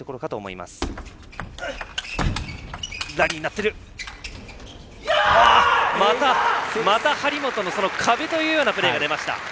また、張本の壁というようなプレーが出ました。